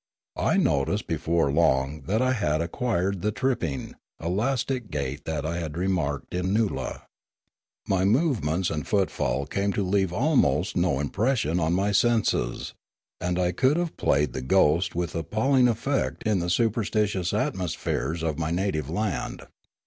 I noticed before long that I had acquired the tripping, elastic gait that I had remarked in Noola. My move ments and footfall came to leave almost no impression on my senses, and I could have played the ghost with 28 Limanora appalling effect in the superstitious atmospheres of my native land.